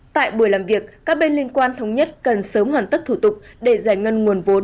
tại buổi làm việc các bên liên quan thống nhất cần sớm hoàn tất thủ tục để giải ngân nguồn vốn